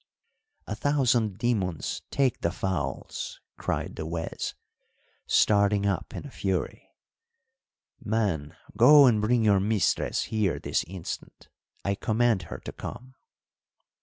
"A thousand demons take the fowls!" cried the Juez, starting up in a fury. "Man, go and bring your mistress here this instant. I command her to come."